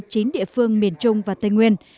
chính địa phương miền trung và tây nguyên